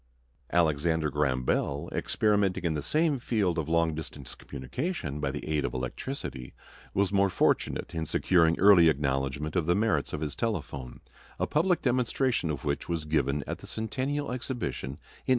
Alexander Graham Bell, experimenting in the same field of long distance communication by the aid of electricity, was more fortunate in securing early acknowledgment of the merits of his telephone, a public demonstration of which was given at the Centennial Exhibition in 1876.